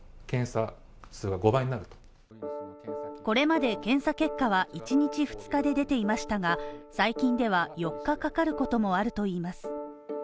これまで検査結果は１２日で出ていましたが、最近では４日かかることもあるといいます。